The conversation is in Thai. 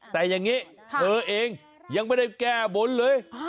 แต่อย่างนี้เธอเองยังไม่ได้แก้บนเลย